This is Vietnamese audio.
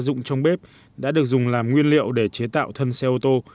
đồ gia dụng trong bếp đã được dùng làm nguyên liệu để chế tạo thân xe ô tô